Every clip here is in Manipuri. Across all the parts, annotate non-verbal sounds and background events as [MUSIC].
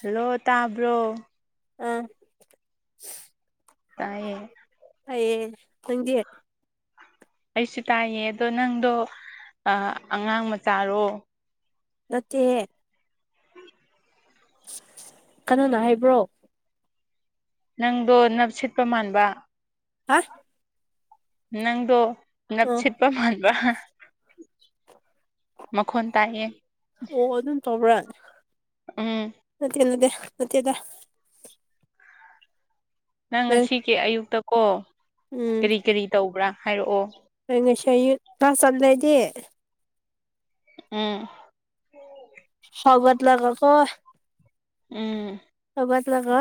ꯍꯜꯂꯣ ꯇꯥꯕ꯭ꯔꯣ ꯇꯥꯏꯌꯦ ꯑ [UNINTELLIGIBLE] ꯅꯪꯗꯤ ꯑꯩꯁꯨ ꯇꯥꯏꯌꯦ ꯑꯗꯣ ꯅꯪꯗꯣ ꯑ ꯑꯉꯥꯡ ꯃꯆꯥꯔꯣ ꯅꯠꯇꯦ [INAUDIBLE] ꯀꯅꯥꯅ ꯍꯥꯏꯕ꯭ꯔꯣ ꯅꯪꯗꯣ ꯅꯞ ꯁꯤꯠꯄ ꯃꯥꯟꯕ ꯍꯥ ꯅꯪꯗꯣ ꯅꯥꯞ ꯑ ꯁꯤꯠ [UNINTELLIGIBLE] ꯃꯈꯣꯟ ꯇꯥꯏꯍꯦ ꯑꯣ ꯑꯗꯨꯝ ꯇꯧꯕ꯭ꯔ ꯎꯝ [UNINTELLIGIBLE] ꯅꯪ ꯉꯁꯤꯒꯤ ꯑꯌꯨꯛꯇ ꯀꯣ ꯎꯝ ꯀꯔꯤ ꯀꯔꯤ ꯇꯧꯕ꯭ꯔꯥ ꯍꯥꯏꯔꯛꯑꯣ [UNINTELLIGIBLE] ꯀ꯭ꯂꯥꯁ [UNINTELLIGIBLE] ꯎꯝ ꯍꯧꯒꯠꯂꯒ ꯀꯣ ꯎꯝ ꯍꯧꯒꯠꯂꯒ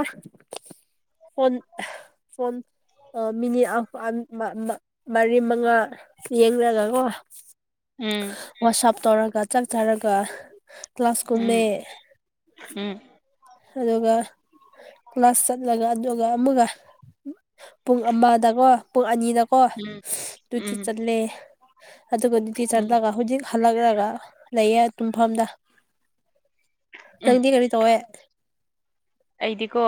ꯐꯣꯟ ꯐꯣꯟ ꯑ ꯃꯤꯅꯤꯠ [UNINTELLIGIBLE] ꯃꯔꯤ ꯃꯉꯥ ꯌꯦꯡꯔꯒꯀꯣ ꯎꯝ ꯋꯥꯥꯁꯞ ꯇꯧꯔꯒ ꯆꯥꯛ ꯆꯥꯔꯒ ꯀ꯭ꯂꯥꯁ ꯀꯨꯝꯃꯦ ꯎꯝ ꯎꯝ ꯑꯗꯨꯒ ꯀ꯭ꯂꯥꯁ ꯆꯠꯂꯒ ꯑꯗꯨꯒ ꯑꯃꯨꯒ ꯄꯨꯡ ꯑꯃꯗꯀꯣ ꯄꯨꯡ ꯑꯅꯤꯗ ꯀꯣ ꯎꯝ ꯇꯨꯇꯤ ꯎꯝ ꯆꯠꯂꯦ ꯑꯗꯨꯒ ꯗꯨꯇꯤ ꯎꯝ ꯆꯠꯂꯒ ꯍꯨꯖꯤꯛ ꯍꯜꯂꯛꯂꯒ ꯂꯩꯌꯦ ꯇꯨꯡꯐꯝꯗ ꯎꯝ ꯅꯪꯗꯤ ꯀꯔꯤ ꯇꯧꯋꯦ ꯑꯩꯗꯤꯀꯣ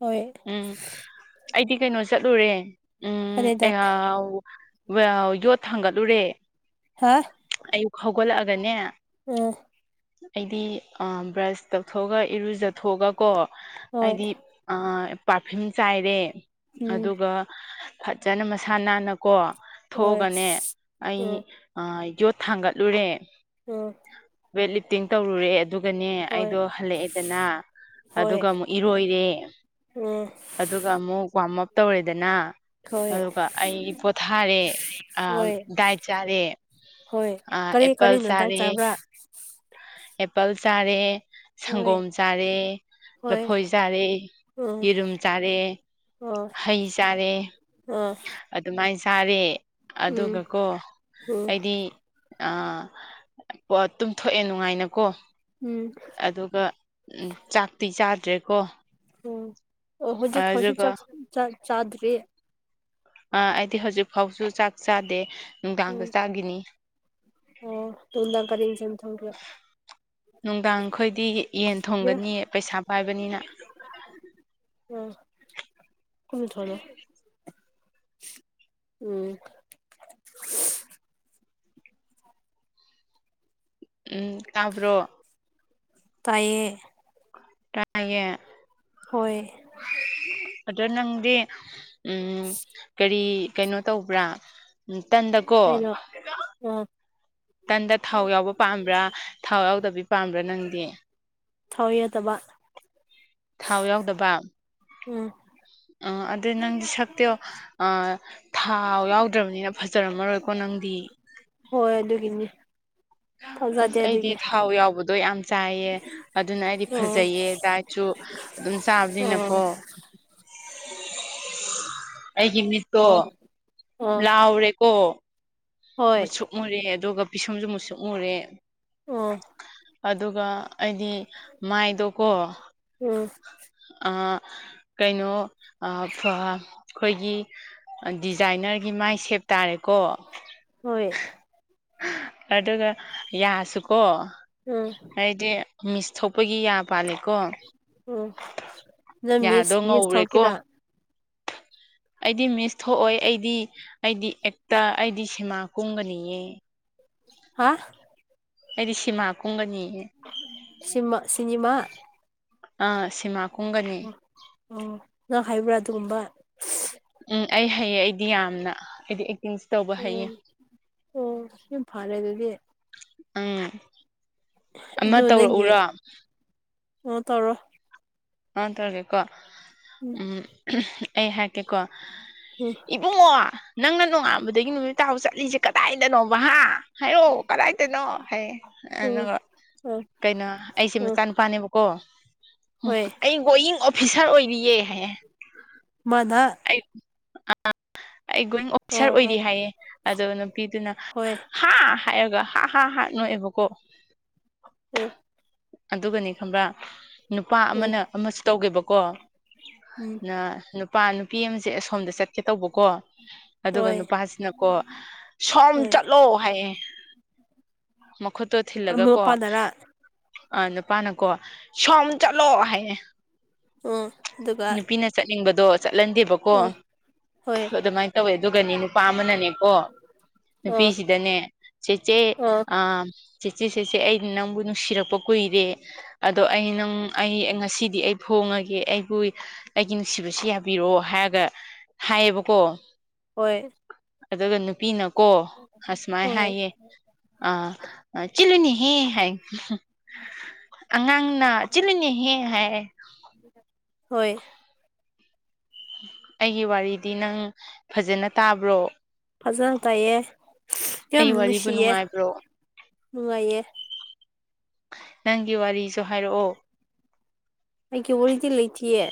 ꯍꯣꯏ ꯎꯝ ꯑꯩꯗꯤ ꯀꯩꯅꯣ ꯆꯠꯂꯨꯔꯦ ꯎꯝ ꯑꯗꯨꯗ [UNINTELLIGIBLE] [UNINTELLIGIBLE] ꯌꯣꯠ ꯊꯥꯡꯒꯠꯂꯨꯔꯦ ꯍꯥ ꯑꯌꯨꯛ ꯍꯧꯒꯠꯂꯛꯑꯒꯅꯦ ꯎꯝ ꯑꯩꯗꯤ ꯑꯥ ꯕ꯭ꯔꯁ ꯇꯧꯊꯣꯛꯑꯒ ꯏꯔꯨꯖꯊꯣꯛꯑꯒꯀꯣ ꯍꯣꯏ ꯑꯩꯗꯤ ꯄꯥꯔꯐꯤꯝ ꯆꯥꯏꯔꯦ ꯎꯝ ꯑꯗꯨꯒ ꯐꯖꯅ ꯃꯁꯥ ꯅꯥꯟꯅꯀꯣ ꯍꯣꯏ ꯊꯣꯛꯑꯒꯅꯦ ꯑꯩ ꯎꯝ ꯑ ꯌꯣꯠ ꯊꯥꯡꯒꯠꯂꯨꯔꯦ ꯎꯝ ꯋꯦꯠ ꯂꯤꯞꯇꯤꯡ ꯇꯧꯔꯨꯔꯦ ꯑꯗꯨꯒꯅꯦ ꯍꯣꯏ ꯑꯩꯗꯣ ꯍꯜꯂꯛꯑꯦꯗꯅ ꯍꯣꯏ ꯑꯗꯨꯒ ꯑꯃꯨꯛ ꯏꯔꯣꯏꯔꯦ ꯑ ꯎꯝ ꯑꯗꯨꯒ ꯑꯃꯨꯛ ꯋꯥꯝꯑꯞ ꯇꯧꯔꯦꯗꯅ ꯍꯣꯏ ꯑꯗꯨꯒ ꯑꯩ ꯄꯣꯊꯥꯔꯦ ꯑꯥ ꯍꯣꯏ ꯗꯥꯏꯠ ꯆꯥꯔꯦ ꯍꯣꯏ ꯑꯥ ꯀꯔꯤ ꯑꯦꯄꯜ ꯀꯔꯤꯅ ꯗꯥꯏꯠ ꯆꯥꯔꯦ ꯆꯥꯕ꯭ꯔꯥ ꯑꯦꯄꯜ ꯆꯥꯔꯦ ꯍꯣꯏ ꯁꯪꯒꯣꯝ ꯆꯥꯔꯦ ꯍꯣꯏ ꯂꯐꯣꯏ ꯆꯥꯔꯦ ꯎꯝ ꯌꯦꯔꯨꯝ ꯆꯥꯔꯦ ꯑꯣ ꯍꯩ ꯆꯥꯔꯦ ꯑꯥ ꯑꯗꯨꯃꯥꯏ ꯆꯥꯔꯦ ꯎꯝ ꯑꯗꯨꯒꯀꯣ ꯎꯝ ꯑꯩꯗꯤ ꯑꯥ [UNINTELLIGIBLE] ꯇꯨꯝꯊꯣꯛꯑꯦ ꯅꯨꯡꯉꯥꯏꯅꯀꯣ ꯎꯝ ꯑꯗꯨꯒ ꯆꯥꯛꯇꯤ ꯆꯥꯗ꯭ꯔꯦꯀꯣ ꯑꯣ ꯍꯧꯖꯤꯛ ꯐꯥꯎꯁꯤ ꯑꯗꯨꯒ ꯆꯥꯛ ꯆ ꯆꯥꯗꯔꯤ ꯑꯥ ꯑꯩꯗꯤ ꯍꯧꯖꯤꯛ ꯐꯥꯎꯁꯨ ꯆꯥꯛ ꯆꯥꯗꯦ ꯅꯨꯡꯗꯥꯡꯗ ꯎꯝ ꯆꯥꯒꯤꯅꯤ ꯑꯣ ꯇꯨꯡꯗ ꯀꯔꯤ ꯏꯟꯁꯥꯡ ꯊꯣꯡꯒꯔ꯭ꯦ ꯅꯨꯡꯗꯥꯡ ꯈꯣꯏꯗꯤ ꯌꯦꯟ ꯊꯣꯡꯒꯅꯤ ꯄꯩꯁꯥ ꯄꯥꯏꯕꯅꯤꯅ ꯑ [UNINTELLIGIBLE] [UNINTELLIGIBLE] ꯎꯝ ꯎꯝ ꯇꯥꯕ꯭ꯔꯣ ꯇꯥꯏꯌꯦ ꯇꯥꯏꯌꯦ ꯍꯣꯏ ꯑꯗꯣ ꯅꯪꯗꯤ ꯎꯝ ꯀꯔꯤ ꯀꯩꯅꯣ ꯇꯧꯕ꯭ꯔꯥ ꯇꯟꯗ ꯀꯣ ꯑꯩꯅ ꯑꯥ ꯇꯟꯗ ꯊꯥꯎ ꯌꯥꯎꯕ ꯄꯥꯝꯕ꯭ꯔꯥ ꯊꯥꯎ ꯌꯥꯎꯗꯕꯤ ꯄꯥꯝꯕ꯭ꯔꯥ ꯅꯪꯗꯤ ꯊꯥꯎ ꯌꯥꯎꯗꯕ ꯊꯥꯎ ꯌꯥꯎꯗꯕ ꯎꯝ ꯎꯝ ꯑꯗꯨ ꯅꯪ ꯁꯛꯇ ꯊꯥꯎ ꯌꯥꯎꯗ꯭ꯔꯕꯅꯤꯅ ꯐꯖꯔꯝꯃꯔꯣꯏꯀꯣ ꯅꯪꯗꯤ ꯍꯣꯏ ꯑꯗꯨꯒꯤꯅꯤ ꯊꯥꯖꯗꯦ ꯑꯁ ꯑꯩꯗꯤ ꯑꯗꯨꯒꯤ ꯊꯥꯎ ꯌꯥꯎꯕꯗꯣ ꯌꯥꯝ ꯆꯥꯏꯌꯦ ꯑꯗꯨꯅ ꯑꯩꯗꯤ ꯑꯣ ꯐꯖꯩꯌꯦ ꯗꯥꯏꯠꯁꯨ ꯑꯗꯨꯝ ꯑꯣ ꯆꯥꯕꯅꯤꯅꯀꯣ [UNINTELLIGIBLE] ꯑꯩꯒꯤꯃꯤ ꯑꯣ ꯑꯣ ꯂꯥꯎꯔꯦꯀꯣ ꯍꯣꯏ ꯃꯨꯠꯁꯨꯛ ꯃꯨꯔꯦ ꯑꯗꯨꯒ ꯄꯤꯁꯨꯝꯁꯨ ꯃꯨꯠꯁꯨꯛ ꯃꯨꯔꯦ ꯑꯣ ꯑꯗꯨꯒ ꯑꯩꯗꯤ ꯃꯥꯏꯗꯣꯀꯣ ꯎꯝ ꯑ ꯀꯩꯅꯣ ꯑ ꯈ ꯈꯣꯏꯒꯤ ꯗꯤꯖꯥꯏꯅꯔꯒꯤ ꯃꯥꯏ ꯁꯦꯞ ꯇꯥꯔꯦꯀꯣ ꯍꯣꯏ ꯑꯗꯨꯒ ꯌꯥꯁꯨꯀꯣ ꯎꯝ ꯑꯩꯗꯤ ꯃꯤꯁ ꯊꯣꯛꯄꯒꯤ ꯌꯥ ꯄꯥꯜꯂꯤꯀꯣ ꯑꯣ ꯅꯪ ꯃꯤꯁ ꯌꯥꯗꯣ ꯃꯤꯁ ꯉꯧꯔꯦꯀꯣ ꯊꯣꯛꯈꯤꯔꯥ ꯑꯩꯗꯤ ꯃꯤꯁ ꯊꯣꯛꯑꯣꯏ ꯑꯩꯗꯤ ꯑꯩꯗꯤ ꯑꯦꯛꯇ ꯑꯩꯗꯤ ꯁꯤꯃꯥ ꯀꯨꯝꯒꯅꯤꯌꯦ ꯍꯥ ꯑꯩꯗꯤ ꯁꯤꯃꯥ ꯀꯨꯝꯒꯅꯤ ꯁꯤꯃ ꯁꯤꯅꯤꯃ ꯑꯥ ꯁꯤꯃꯥ ꯀꯨꯝꯒꯅꯤ ꯎ ꯅꯪ ꯍꯥꯏꯕ꯭ꯔꯥ ꯑꯗꯨꯒꯨꯝꯕ ꯎꯝ ꯑꯩ ꯍꯩꯌꯦ ꯑꯩꯗꯤ ꯌꯥꯝꯅ ꯑꯩꯗꯤ ꯑꯦꯛꯇꯤꯡꯁꯦ ꯇꯧꯕ ꯍꯥꯏꯌꯦ ꯎꯝ ꯑꯣ ꯌꯥꯝ ꯐꯔꯦ ꯑꯗꯨꯗꯤ ꯑꯪ ꯅꯪꯒꯤ ꯑꯣ ꯇꯧꯔꯣ ꯑ ꯇꯧꯔꯒꯦꯀꯣ ꯎꯝ ꯑꯩ ꯍꯥꯏꯀꯦꯀꯣ ꯎꯝ ꯏꯕꯨꯡꯉꯣ ꯅꯪꯅ ꯅꯣꯡꯉꯥꯟꯕꯗꯒꯤ ꯅꯨꯃꯤꯠ ꯇꯥꯕꯥ ꯆꯠꯂꯤꯁꯦ ꯀꯗꯥꯏꯗꯅꯣꯕꯥ ꯍꯥꯏꯔꯛ ꯑꯣ ꯀꯗꯥꯏꯗꯅꯣ ꯍꯥꯏꯌꯦ ꯎꯝ ꯑꯗꯨꯒ ꯎꯝ ꯀꯩꯅꯣ ꯑꯩꯁꯦ ꯎꯝ ꯃꯆꯥ ꯅꯨꯨꯄꯥꯅꯦꯕꯀꯣ ꯍꯣꯏ ꯑꯩ ꯒꯣꯌꯤꯡ ꯑꯣꯐꯤꯁꯥꯔ ꯑꯣꯏꯔꯤꯌꯦ ꯍꯥꯏꯌꯦ ꯃꯥꯅ ꯑꯩ ꯑ ꯑꯩ ꯒꯣꯌꯤꯡ ꯑꯣꯐꯤꯁꯥꯔ ꯑꯥ ꯑꯣꯏꯔꯤ ꯑꯥ ꯍꯥꯏꯌꯦ ꯑꯗꯣ ꯅꯨꯄꯤꯗꯨꯅ ꯍꯣꯏ ꯍꯥ ꯍꯥꯏꯔꯒ ꯍꯥ ꯍꯥ ꯅꯣꯛꯑꯦꯕꯀꯣ ꯎꯝ ꯑꯗꯨꯒꯅꯦ ꯈꯝꯕ꯭ꯔꯥ ꯅꯨꯄꯥ ꯎꯝ ꯑꯃꯅ ꯑꯃꯁꯨ ꯇꯧꯒꯦꯕꯀꯣ ꯎꯝ ꯅ ꯅꯨꯄꯥ ꯅꯨꯄꯤ ꯑꯃꯁꯦ ꯑꯁꯣꯝꯗ ꯆꯠꯀꯦ ꯇꯧꯕꯀꯣ ꯑꯗꯨꯒ ꯍꯣꯏ ꯅꯨꯄꯥꯁꯤꯅꯀꯣ ꯁꯣꯝ ꯍꯣꯏ ꯆꯠꯂꯣ ꯍꯥꯏꯌꯦ ꯃꯈꯨꯠꯇꯣ ꯊꯤꯜꯂꯒ ꯀꯣ ꯃꯄꯥꯟꯗꯔꯥ ꯑꯥ ꯅꯨꯄꯥꯅꯀꯣ ꯁꯣꯝ ꯆꯠꯂꯣ ꯍꯥꯏꯌꯦ ꯎꯝ ꯑꯗꯨꯒ ꯅꯨꯄꯤꯅ ꯆꯠꯅꯤꯡꯕꯗꯣ ꯆꯠꯍꯟꯗꯦꯕꯀꯣ ꯎꯝ ꯍꯣꯏ ꯑꯗꯨꯃꯥꯏꯅ ꯇꯧꯋꯦ ꯑꯗꯨꯒꯅꯤ ꯅꯨꯄꯥ ꯑꯃꯅ ꯃꯦꯀꯣ ꯑꯣ ꯅꯨꯄꯤꯁꯤꯗꯅꯦ ꯆꯦ ꯆꯦ ꯑꯣ ꯑ ꯆꯦꯆꯦ ꯆꯦꯆꯦ ꯑꯩꯩꯅ ꯅꯪꯕꯨ ꯅꯨꯡꯁꯤꯔꯛꯄ ꯀꯨꯏꯔꯦ ꯑꯗꯣ ꯑꯩ ꯅꯪ ꯑꯩ ꯉꯁꯤꯗꯤ ꯑꯩ ꯐꯣꯡꯉꯒꯦ ꯑꯩꯕꯨ ꯑꯩꯒꯤ ꯅꯨꯡꯁꯤꯕꯁꯤ ꯌꯥꯕꯤꯔꯣ ꯍꯥꯏꯔꯒ ꯍꯥꯏꯌꯦꯕꯀꯣ ꯍꯣꯏ ꯑꯗꯨꯒ ꯅꯨꯄꯤꯅꯀꯣ ꯑꯁꯨꯃꯥꯏ ꯍꯣꯏ ꯍꯥꯏꯌꯦ ꯑꯥ ꯆꯜꯅꯤꯅꯦꯍꯦ ꯍꯥꯏ ꯑꯉꯥꯡꯅ ꯆꯤꯜꯂꯅꯦꯍꯦ ꯍꯥꯏ ꯍꯣꯏ ꯑꯩꯒꯤ ꯋꯥꯔꯤꯗꯤ ꯅꯪ ꯐꯖꯟꯅ ꯇꯥꯕ꯭ꯔꯣ ꯐꯖꯟꯅ ꯇꯥꯏꯌꯦ ꯌꯥꯝ ꯑꯩ ꯋꯥꯔꯤꯕꯨ ꯅꯨꯡꯁꯤꯌꯦ ꯅꯨꯡꯉꯥꯏꯕ꯭ꯔꯣ ꯅꯨꯡꯉꯥꯏꯌꯦ ꯅꯪꯒꯤ ꯋꯥꯔꯤꯁꯨ ꯍꯥꯏꯔꯛꯑꯣ ꯑꯩꯒꯤ ꯋꯥꯔꯤꯗꯤ ꯂꯩꯇꯤꯌꯦ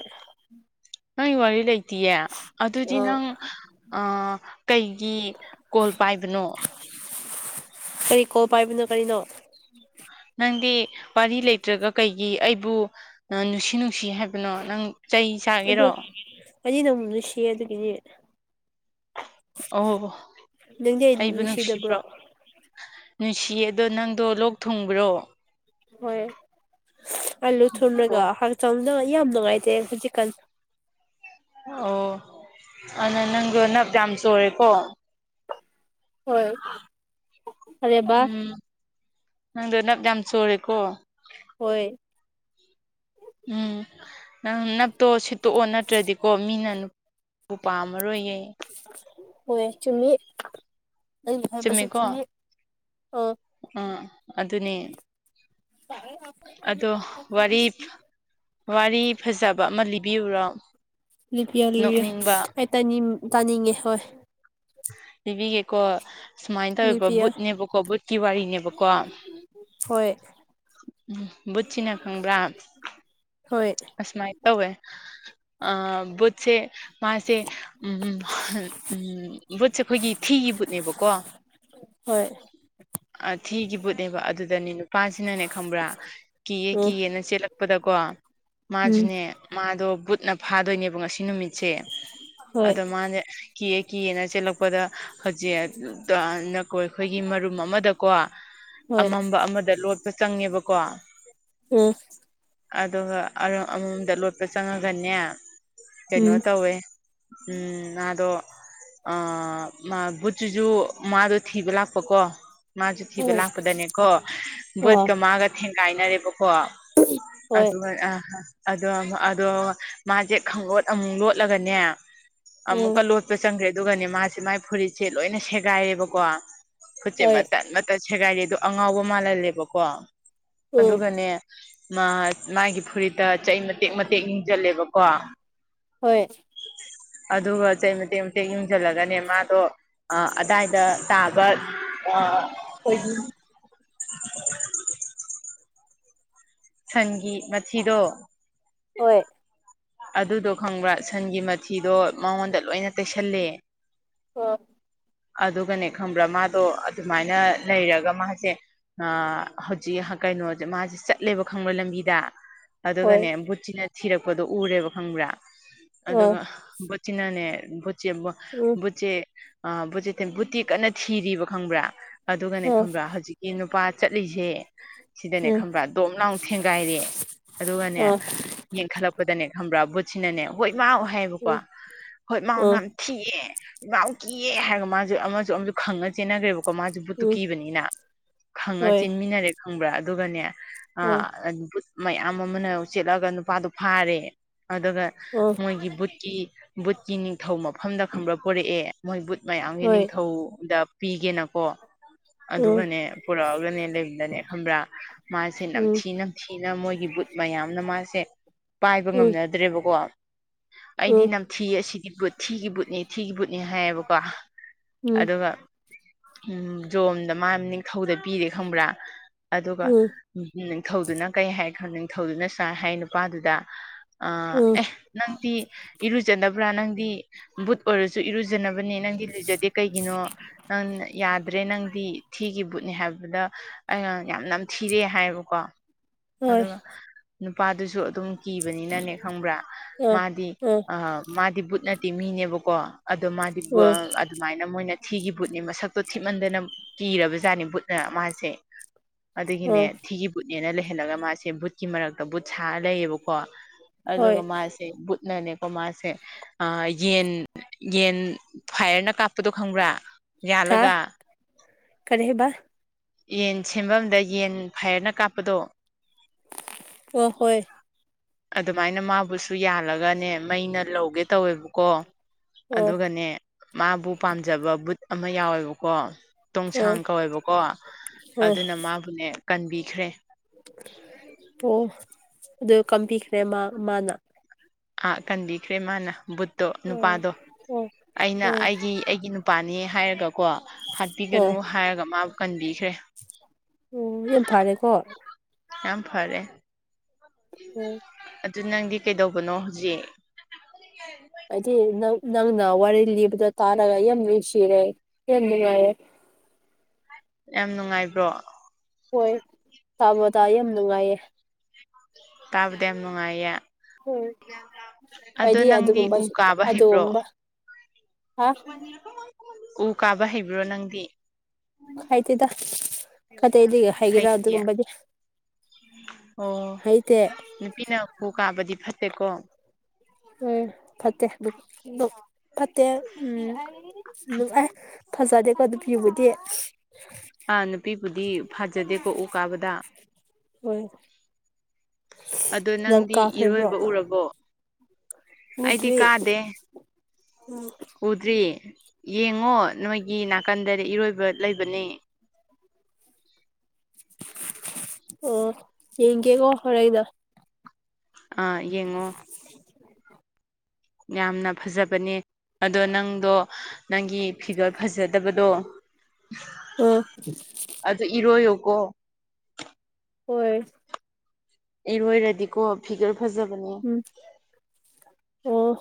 ꯅꯪꯒꯤ ꯋꯥꯔꯤ ꯂꯩꯇꯤꯌꯦ ꯑꯗꯨꯗꯤ ꯑꯣ ꯅꯪ ꯑ ꯀꯩꯒꯤ ꯀꯣꯜ ꯄꯥꯏꯕꯅꯣ ꯀꯔꯤ ꯀꯣꯜ ꯄꯥꯏꯕꯅꯣ ꯀꯔꯤꯅꯣ ꯅꯪꯗꯤ ꯋꯥꯔꯤ ꯂꯩꯇ꯭ꯔꯒ ꯀꯩꯒꯤ ꯑꯩꯕꯨ ꯑ ꯅꯨꯡꯁꯤ ꯅꯨꯡꯁꯤ ꯍꯥꯏ ꯕꯅꯣ ꯅꯪ ꯆꯩ ꯑꯗꯨ ꯁꯥꯒꯦꯔꯣ ꯑꯩꯗꯤ ꯑꯪꯕꯨ ꯅꯨꯡꯁꯤꯌꯦ ꯑꯗꯨꯒꯤꯅꯤ ꯑꯣ ꯅꯪꯗꯤ ꯑꯩ ꯑꯩꯕꯨ ꯅꯨꯡꯁꯤꯗꯕ꯭ꯔꯣ ꯅꯨꯡꯁꯤꯕ꯭ꯔꯣ ꯅꯨꯡꯁꯤꯌꯦ ꯑꯗꯣ ꯅꯪꯗꯣ ꯂꯣꯛ ꯊꯨꯡꯕ꯭ꯔꯣ ꯍꯣꯏ ꯑꯂꯨ ꯑꯣ ꯊꯨꯔꯒ ꯍꯛꯆꯥꯡꯗ ꯌꯥꯝ ꯅꯨꯡꯉꯥꯏꯇꯦ ꯍꯨꯖꯤꯛꯀꯥꯟ ꯑꯣ ꯑꯅ ꯅꯪꯖꯨ ꯅꯞ ꯌꯥꯝ ꯆꯣꯔꯦꯀꯣ ꯍꯣꯏ ꯑꯔꯦꯕ ꯎꯝ ꯅꯪꯗꯣ ꯅꯞ ꯌꯥꯝ ꯆꯣꯔꯦꯀꯣ ꯍꯣꯏ ꯎꯝ ꯅꯪ ꯅꯞꯇꯣ ꯁꯤꯠꯇꯣꯛꯑꯣ ꯅꯠꯇ꯭ꯔꯗꯤꯀꯣ ꯃꯤꯅ ꯅꯨ ꯕꯨ ꯄꯥꯝꯃꯔꯣꯏꯌꯦ ꯍꯣꯏ ꯆꯨꯝꯃꯤ ꯑꯩꯅ ꯍꯥꯏꯕꯁꯦ ꯆꯨꯝꯃꯤ ꯑꯣ ꯑ ꯑꯗꯨꯅꯦ ꯑꯗꯣ ꯋꯥꯔꯤ [INAUDIBLE] ꯋꯥꯔꯤ ꯐꯖꯕ ꯑꯃ ꯂꯤꯕꯤꯌꯨꯔꯣ ꯂꯤꯄꯤꯌꯣ ꯂꯤꯕꯤꯌꯣ ꯅꯣꯛꯅꯤꯡꯕ ꯑꯩ ꯇꯅꯤꯃꯨ ꯇꯥꯅꯤꯡꯉꯦ ꯍꯣꯏ ꯂꯤꯕꯤꯒꯦꯀꯣ ꯁꯨꯃꯥꯏ ꯇꯧꯋꯦꯕ ꯂꯤꯄꯤꯌꯥ ꯕꯨꯠꯅꯦꯕꯀꯣ ꯕꯨꯠꯀꯤ ꯋꯥꯔꯤꯅꯦꯕꯀꯣ ꯍꯣꯏ ꯎꯝ ꯕꯨꯠꯁꯤꯅ ꯈꯪꯕ꯭ꯔꯥ ꯍꯣꯏ ꯑꯁꯃꯥꯏ ꯇꯧꯋꯦ ꯑꯥ ꯕꯨꯠꯁꯦ ꯃꯥꯁꯦ ꯎꯝ ꯎꯝ ꯎꯝ ꯕꯨꯠꯁꯦ ꯈꯣꯏꯒꯤ ꯊꯤꯒꯤ ꯕꯨꯠꯅꯦꯕꯀꯣ ꯍꯣꯏ ꯑꯥ ꯊꯤꯒꯤ ꯕꯨꯠꯅꯦꯕ ꯑꯗꯨꯗꯅꯦ ꯅꯨ ꯄꯥꯁꯤꯅꯅꯦ ꯈꯪꯕ꯭ꯔꯥ ꯀꯤꯌꯦ ꯎꯝ ꯀꯤꯌꯦꯅ ꯆꯦꯜꯂꯛꯄꯗꯀꯣ ꯎꯝ ꯃꯥꯖꯨꯅꯦ ꯃꯥꯗꯣ ꯕꯨꯠꯅ ꯐꯥꯗꯣꯏꯅꯦꯕ ꯉꯁꯤ ꯅꯨꯃꯤꯠꯁꯦ ꯍꯣꯏ ꯑꯗꯣ ꯃꯥꯅꯦ ꯀꯤꯌꯦ ꯀꯤꯌꯦꯅ ꯆꯦꯜꯂꯛꯄꯗ ꯍꯧꯖꯤꯛ [UNINTELLIGIBLE] ꯅꯀꯣꯏ ꯈꯣꯏꯒꯤ ꯃꯔꯨꯝ ꯑꯃꯗ ꯀꯣ ꯍꯣꯏ ꯑꯃꯝꯕ ꯑꯃꯗ ꯂꯣꯠꯄ ꯆꯪꯉꯦꯕꯀꯣ [UNINTELLIGIBLE] ꯑꯗꯨꯒ ꯑꯔꯥ [UNINTELLIGIBLE] ꯂꯣꯠꯄ ꯆꯪꯉꯒꯅꯦ ꯀꯩꯅꯣ ꯎꯝ ꯇꯧꯋꯦ ꯎꯝ ꯉꯥꯗꯣ ꯑꯥ ꯃꯥ ꯕꯨꯠꯖꯤꯖꯨ ꯃꯥꯗꯣ ꯊꯤꯕ ꯂꯥꯛꯄꯀꯣ ꯃꯥꯁꯨ ꯊꯤꯕ ꯍꯣꯏ ꯂꯥꯛꯄꯗꯅꯦꯀꯣ ꯑ ꯕꯣꯠꯀ ꯃꯥꯒ ꯊꯦꯡꯒꯥꯏꯅꯔꯦꯕꯀꯣ ꯍꯣꯏ ꯑꯗꯨꯒꯅꯦ ꯑꯍꯥ ꯑꯗꯣ ꯃꯥ ꯑꯗꯣ ꯃꯥꯖꯦ ꯈꯪꯂꯣꯠ ꯑꯃꯨꯛ ꯂꯣꯠꯂꯒꯅꯦ ꯎꯝ ꯑꯃꯨꯛꯀ ꯂꯣꯠꯄ ꯆꯪꯈ꯭ꯔꯦ ꯑꯗꯨꯒꯅꯦ ꯃꯥꯁꯦ ꯃꯥꯏ ꯐꯨꯔꯤꯠꯁꯦ ꯂꯣꯏꯅ ꯁꯦꯒꯥꯏꯔꯦꯕꯀꯣ ꯈꯨꯠꯁꯦ ꯍꯣꯏ ꯃꯇꯠ ꯃꯇꯠ ꯁꯦꯒꯥꯏꯔꯦ ꯑꯗꯨ ꯑꯉꯥꯎꯕ ꯃꯥꯜꯍꯜꯂꯦꯕꯀꯣ ꯎꯝ ꯑꯗꯨꯒꯅꯦ ꯃꯥ ꯃꯥꯒꯤ ꯐꯨꯔꯤꯠꯇ ꯆꯩ ꯃꯇꯦꯛ ꯃꯇꯦꯛ ꯏꯪꯖꯜꯂꯦꯕꯀꯣ ꯍꯣꯏ ꯑꯗꯨꯒ ꯆꯩ ꯃꯇꯦꯛ ꯃꯇꯦꯛ ꯌꯨꯡꯖꯜꯂꯒꯅꯦ ꯃꯥꯗꯣ ꯑꯥ ꯑꯗꯥꯏꯗ ꯇꯥꯕ ꯑꯥ ꯑꯈꯣꯏꯒꯤ [INAUDIBLE] ꯁꯟꯒꯤ ꯃꯊꯤꯗꯣ ꯍꯣꯏ ꯑꯗꯨꯗꯣ ꯈꯪꯕ꯭ꯔꯥ ꯁꯟꯒꯤ ꯃꯊꯤꯗꯣ ꯃꯉꯣꯟꯗ ꯂꯣꯏꯅ ꯇꯩꯁꯜꯂꯦ [UNINTELLIGIBLE] ꯑꯗꯨꯒꯅꯦ ꯈꯪꯕ꯭ꯔꯥ ꯃꯥꯗꯣ ꯑꯗꯨꯃꯥꯏꯅ ꯂꯩꯔꯒ ꯃꯥꯖꯦ ꯑꯥ ꯍꯧꯖꯤꯛ ꯀꯩꯅꯣꯖꯦ ꯃꯥꯖꯦ ꯆꯠꯂꯦꯕ ꯈꯪꯕ꯭ꯔ ꯂꯝꯕꯤꯗ ꯑꯗꯨꯒꯅꯦ ꯍꯣꯏ ꯕꯨꯠꯁꯤꯅ ꯊꯤꯔꯛꯄꯗꯣ ꯎꯔꯦꯕ ꯈꯪꯕ꯭ꯔꯥ ꯑꯗꯨꯒ ꯑ ꯕꯨꯠ ꯆꯤꯅꯅꯦ ꯕꯨꯠꯁꯦ ꯑꯃꯨꯋꯥ [INAUDIBLE] ꯕꯨꯠꯆꯦ ꯑꯥ ꯕꯨꯠꯁꯦ ꯕꯨꯠꯇꯤ ꯀꯟꯅ ꯊꯤꯔꯤꯕ ꯈꯪꯕ꯭ꯔꯥ ꯑꯗꯨꯒꯅꯦ ꯑ ꯎꯝ ꯈꯪꯕ꯭ꯔꯥ ꯍꯧꯖꯤꯛꯀꯤ ꯅꯨꯄꯥ ꯆꯠꯂꯤꯁꯦ ꯑ ꯁꯤꯗꯅꯦ ꯈꯪꯕ꯭ꯔꯥ ꯗꯣꯝ ꯅꯥꯎ ꯊꯦꯡꯒꯥꯏꯔꯦ ꯑꯗꯨꯒꯅꯦ ꯌꯦꯡꯈꯠꯂꯛꯄꯗꯅꯦ ꯈꯪꯕ꯭ꯔꯥ ꯕꯨꯠꯁꯤꯅꯅꯦ ꯍꯣꯏ ꯃꯥꯥꯎ ꯍꯥꯏꯌꯦꯕꯀꯣ ꯎꯝ ꯍꯣꯏ ꯑ ꯃꯥꯥꯎꯅ ꯊꯤꯌꯦ ꯃꯥꯎ ꯀꯤꯌꯦ ꯍꯥꯏꯔꯒ ꯃꯥꯁꯨ ꯑꯃꯁꯨ ꯑꯃꯁꯨ ꯈꯪꯉ ꯆꯦꯟꯅꯒ꯭ꯔꯦꯕ ꯀꯣ ꯃꯥꯖꯨ ꯕꯨꯠꯇꯨ ꯎꯝ ꯀꯤꯕꯅꯤꯅ ꯈꯪꯉ ꯍꯣꯏ ꯆꯦꯟꯃꯤꯟꯅꯔꯦ ꯈꯪꯕ꯭ꯔꯥ ꯑꯗꯨꯒꯅꯦ ꯍꯣꯏ ꯑꯥ ꯕꯨꯠ ꯃꯌꯥꯝ ꯑꯃꯅ ꯆꯦꯂꯑꯒ ꯅꯨꯄꯥꯗꯨ ꯐꯥꯔꯦ ꯑꯗꯨꯒ ꯎꯝ ꯃꯣꯏꯒꯤ ꯕꯨꯠꯀꯤ ꯕꯨꯠꯀꯤ ꯅꯤꯡꯊꯧ ꯃꯐꯝꯗ ꯈꯪꯕ꯭ꯔꯥ ꯄꯣꯔꯛꯑꯦ ꯃꯣꯏ ꯕꯨꯠ ꯃꯌꯥꯝꯒꯤ ꯍꯣꯏ ꯅꯤꯡꯊꯧꯗ ꯄꯤꯒꯦꯅꯀꯣ ꯎꯝ ꯑꯗꯨꯒꯅꯦ ꯄꯨꯔꯛꯑꯒꯅꯦ ꯂꯩꯕꯗꯅꯦ ꯈꯪꯕ꯭ꯔꯥ ꯃꯥꯖꯦ ꯎꯝ ꯅꯝꯊꯤ ꯅꯝꯊꯤꯅ ꯃꯣꯏꯒꯤ ꯕꯨꯠ ꯃꯌꯥꯝꯅ ꯃꯥꯖꯦ ꯄꯥꯏꯕ ꯎꯝ ꯉꯝꯅꯗ꯭ꯔꯦꯕꯀꯣ ꯎꯝ ꯑꯩꯗꯤ ꯎꯝ ꯅꯝ ꯊꯤ ꯑꯁꯤꯗꯤ ꯕꯨꯠ ꯊꯤꯒꯤ ꯕꯨꯠꯅꯤ ꯊꯤꯒꯤ ꯕꯨꯠꯅꯤ ꯍꯥꯏꯌꯦꯕꯀꯣ ꯎꯝ ꯑꯗꯨꯒ ꯎꯝ ꯖꯣꯝꯗ ꯃꯥ ꯅꯤꯡꯊꯧꯗ ꯄꯤꯔꯦ ꯈꯪꯕ꯭ꯔꯥ ꯑꯗꯨꯒ ꯎꯝ ꯅꯤꯡꯊꯧꯗꯨꯅ ꯀꯩ ꯍꯥꯏ ꯈꯟ ꯅꯤꯡꯊꯧꯗꯨꯅ ꯁꯃꯥꯏ ꯍꯥꯏ ꯅꯨꯄꯥꯗꯨꯗ ꯑꯥ ꯎꯝ ꯑꯦ ꯅꯪꯗꯤ ꯏꯔꯨꯖꯅꯕ꯭ꯔꯥ ꯅꯪꯗꯤ ꯕꯨꯠ ꯑꯣꯏꯔꯁꯨ ꯏꯔꯨꯖꯅꯕꯅꯤ ꯅꯪꯗꯤ ꯂꯨꯖꯗꯦ ꯀꯩꯒꯤꯅꯣ ꯅꯪ ꯌꯥꯗ꯭ꯔꯦ ꯅꯪꯗꯤ ꯊꯤꯒꯤ ꯕꯨꯠꯅꯤ ꯍꯥꯏꯕꯗ ꯑꯩꯅ ꯌꯥꯝꯅ ꯅꯝ ꯊꯤꯔꯦ ꯍꯥꯏꯌꯦꯕꯀꯣ ꯍꯣꯏ ꯑꯗꯨꯒ ꯅꯨꯄꯥꯗꯨꯁꯨ ꯑꯗꯨꯝ ꯀꯤꯕꯅꯤꯅꯅꯦ ꯈꯪꯕ꯭ꯔꯥ ꯑ ꯃꯥꯗꯤ ꯑ ꯑꯥ ꯃꯥꯗꯤ ꯕꯨꯠ ꯅꯠꯇꯦ ꯃꯤꯅꯦꯕꯀꯣ ꯑꯗꯣ ꯃꯥꯗꯤ ꯚꯣ ꯑ ꯑꯗꯨꯃꯥꯏꯅ ꯃꯣꯏꯅ ꯊꯤꯒꯤ ꯕꯨꯠꯅꯦ ꯃꯁꯛꯇꯣ ꯊꯤꯃꯟꯗꯅ ꯀꯤꯔꯕꯖꯥꯠꯅꯤ ꯕꯨꯠꯅ ꯃꯥꯖꯦ ꯑꯗꯨꯒꯤꯅꯦ ꯑ ꯊꯤꯒꯤ ꯕꯨꯠꯅꯦꯅ ꯂꯩꯍꯜꯂꯒ ꯃꯥꯁꯦ ꯕꯨꯠꯀꯤ ꯃꯔꯛꯇ ꯕꯨꯠ ꯁꯥꯔ ꯂꯩꯌꯦꯕꯀꯣ ꯍꯣꯏ ꯑꯗꯨꯒ ꯃꯥꯁ ꯕꯨꯠꯅꯅꯦꯀꯣ ꯃꯥꯁꯦ ꯑꯥ ꯌꯦꯟ ꯌꯦꯟ ꯐꯥꯏꯔꯅ ꯀꯥꯞ ꯄꯇꯣ ꯈꯪꯕ꯭ꯔꯥ ꯍꯥ ꯌꯥꯜꯂꯒ ꯀꯔꯤ ꯍꯥꯏꯕꯥ ꯌꯦꯟ ꯁꯦꯝꯐꯝꯗ ꯌꯦꯟ ꯐꯩꯌꯥꯔꯅ ꯀꯥꯞꯄꯗꯣ ꯑꯣ ꯍꯣꯏ ꯑꯗꯨꯃꯥꯏꯅ ꯃꯥꯕꯨꯁꯨ ꯌꯥꯜꯂꯒꯅꯦ ꯃꯩꯅ ꯂꯧꯒꯦ ꯇꯧꯋꯦꯕꯀꯣ ꯑꯣ ꯑꯗꯨꯒꯅꯦ ꯃꯥꯕꯨ ꯄꯥꯝꯖꯕ ꯕꯨꯠ ꯑꯃ ꯌꯥꯎꯋꯦꯕꯀꯣ ꯑꯣ ꯇꯣꯡꯁꯥꯡ ꯀꯧꯋꯦꯕꯀꯣ ꯑꯣ ꯑꯗꯨꯅ ꯃꯥꯕꯨꯅꯦ ꯀꯟꯕꯤꯈ꯭ꯔꯦ ꯑꯣ ꯑꯗꯨ ꯀꯝꯕꯤꯈ꯭ꯔꯦ ꯃꯥ ꯃꯥꯅ ꯑꯥ ꯀꯟꯕꯤꯈ꯭ꯔꯦ ꯃꯥꯅ ꯕꯨꯠꯇꯣ ꯑꯣ ꯅꯨꯄꯥꯗꯣ ꯑꯣ ꯑꯩꯅ ꯎꯝ ꯑꯩꯒꯤ ꯑꯩꯒꯤ ꯅꯨꯞ ꯄꯥꯅꯦ ꯍꯥꯏꯔꯒꯀꯣ ꯍꯥꯠꯄꯤꯒꯅꯨ ꯍꯥꯏꯔꯒ ꯃꯥꯕꯨ ꯀꯟꯕꯤꯈ꯭ꯔꯦ ꯑꯣ ꯌꯦꯝ ꯐꯔꯦꯀꯣ ꯌꯥꯝ ꯐꯔꯦ ꯎꯝ ꯑꯗꯨ ꯅꯪꯗꯤ ꯀꯩꯗꯧꯕꯅꯣ ꯍꯧꯖꯤꯛ ꯑꯩꯗꯤ ꯅꯪ ꯅꯪꯅ ꯋꯥꯔꯤ ꯂꯤꯕꯗꯣ ꯇꯥꯔꯒ ꯌꯥꯝ ꯅꯨꯡꯁꯤꯔꯦ ꯌꯥꯝ ꯅꯨꯡꯉꯥꯏꯔꯦ ꯌꯥꯝ ꯅꯨꯡꯉꯥꯏꯕ꯭ꯔꯣ ꯍꯣꯏ ꯇꯥꯕꯇꯥ ꯌꯥꯝ ꯅꯨꯡꯉꯥꯏꯌꯦ ꯇꯥꯕꯗ ꯌꯥꯝ ꯅꯨꯡꯉꯥꯏꯌꯦ ꯎꯝ ꯑꯗꯣ ꯑꯩꯗꯤ ꯅꯪꯗꯤ ꯑꯗꯨꯒꯨꯝꯕ ꯎ ꯀꯥꯕ ꯍꯩꯕ꯭ꯔꯣ ꯑꯗꯨꯒꯨꯝꯕ ꯍꯥ ꯎ ꯀꯥꯕ ꯍꯩꯕ꯭ꯔꯣ ꯅꯪꯗꯤ ꯈꯥꯏꯇꯦꯗ ꯈꯟꯗꯦ ꯑꯩꯗꯤ ꯍꯩꯒꯦꯔꯥ ꯍꯩꯇꯤꯌꯦ ꯑꯗꯨꯒꯨꯝꯕꯗꯤ ꯑꯣ ꯍꯩꯇꯦ ꯅꯨꯄꯤꯅ ꯎ ꯀꯥꯕꯗꯤ ꯐꯠꯇꯦꯀꯣ ꯎꯝ ꯐꯠꯇꯦ ꯕꯨꯠ ꯅꯨꯞ ꯐꯠꯇꯦ ꯎꯝ ꯅꯨꯞ ꯑꯦ ꯐꯖꯗꯦꯀꯣ ꯅꯨꯄꯤꯕꯨꯗꯤ ꯑꯥ ꯅꯨꯄꯤꯕꯨꯗꯤ ꯐꯖꯗꯦꯀꯣ ꯎ ꯀꯥꯕꯗ ꯍꯣꯏ ꯑꯗꯣ ꯅꯪ ꯅꯪꯗꯤ ꯀꯥꯈ꯭ꯔꯕ꯭ꯔꯣ ꯏꯔꯣꯏꯕ ꯎꯔꯕꯣ ꯑꯩꯗꯤ ꯎꯗ꯭ꯔꯤ ꯀꯥꯗꯦ ꯎꯝ ꯎꯗ꯭ꯔꯤ ꯌꯦꯡꯉꯣ ꯅꯣꯏꯒꯤ ꯅꯥꯀꯟꯗꯗꯤ ꯏꯔꯣꯏꯕ ꯂꯩꯕꯅꯦ ꯑꯣ ꯌꯦꯡꯒꯦꯀꯣ ꯍꯣꯔꯦꯟꯅ ꯑꯥ ꯌꯦꯡꯉꯣ ꯌꯥꯝꯅ ꯐꯖꯕꯅꯦ ꯑꯗꯣ ꯅꯪꯗꯣ ꯅꯪꯒꯤ ꯐꯤꯒꯔ ꯐꯖꯗꯕꯗꯣ ꯑꯝ ꯑꯗꯨ ꯏꯔꯣꯏ ꯌꯨꯀꯣ ꯍꯣꯏ ꯏꯔꯣꯏꯔꯗꯤꯀꯣ ꯐꯤꯒꯔ ꯐꯖꯕꯅꯦ ꯑꯣ